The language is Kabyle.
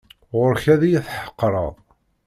Ɣur-k ad iyi-tḥeqreḍ.